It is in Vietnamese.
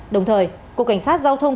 đồng thời cục cảnh sát giao thông